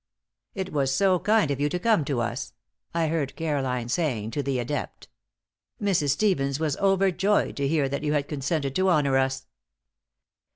"It was so kind of you to come to us," I heard Caroline saying to the adept. "Mrs. Stevens was overjoyed to hear that you had consented to honor us."